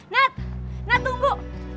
nat nat tunggu